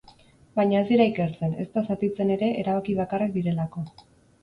Baina ez dira ikertzen, ezta zatitzen ere, erabaki bakarrak direlako.